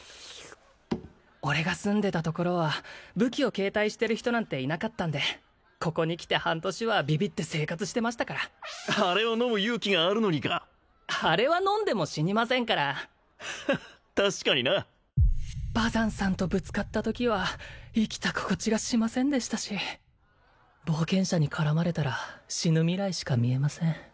俺が住んでたところは武器を携帯してる人なんていなかったんでここに来て半年はビビって生活してましたからあれを飲む勇気があるのにかあれは飲んでも死にませんからハハッ確かになバザンさんとぶつかったときは生きた心地がしませんでしたし冒険者に絡まれたら死ぬ未来しか見えません